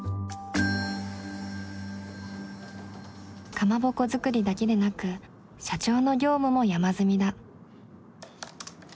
かまぼこ作りだけでなく社長の業務も山積みだ。